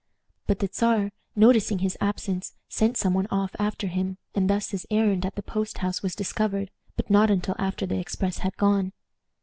But the Czar, noticing his absence, sent some one off after him, and thus his errand at the post house was discovered, but not until after the express had gone.